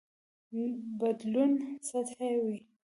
بدلون سطحي وي.